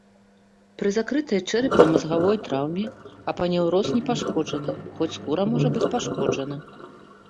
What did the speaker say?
Пры закрытай чэрапна-мазгавой траўме апанеўроз не пашкоджаны, хоць скура можа быць пашкоджана.